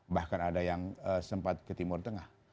bahkan ada yang sempat ke timur tengah